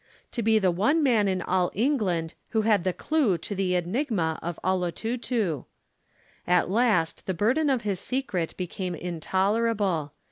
To be the one man in all England who had the clue to the enigma of "Olotutu!" At last the burden of his secret became intolerable.